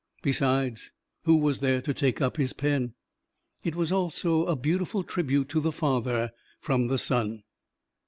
Besides, who was there to take up his pen? It was also a beautiful tribute to the father from the son.